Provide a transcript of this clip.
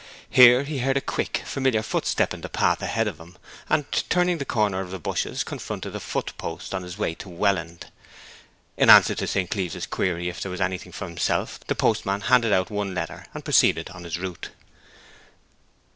Here he heard a quick, familiar footstep in the path ahead of him, and, turning the corner of the bushes, confronted the foot post on his way to Welland. In answer to St. Cleeve's inquiry if there was anything for himself the postman handed out one letter, and proceeded on his route.